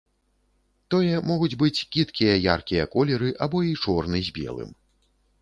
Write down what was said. Тое могуць быць кідкія яркія колеры або і чорны з белым.